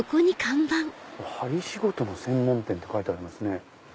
「針仕事の専門店」って書いてありますね。